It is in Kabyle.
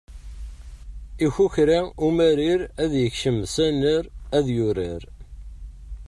Ikukra umarir ad yekcem s anrar ad yurar.